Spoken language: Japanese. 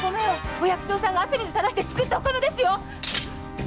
お百姓さんが汗水たらして作ったお米ですよ！